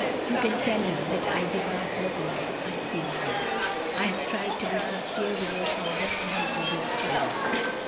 You can tell her that I did not look on unfeelingly; I have tried to be sincere with your father and with his children.